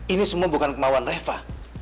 ini semua bukan kemauan reva